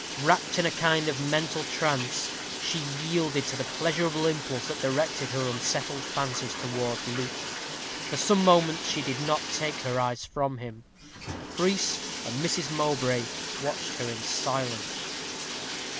Wrapped in a kind of mental trance, she yielded to the pleasurable impulse that directed her unsettled fancies towards Luke. For some moments she did not take her eyes from him. The priest and Mrs. Mowbray watched her in silence.